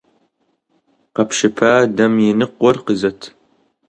Къэпщыпа дэм и ныкъуэр къызэт!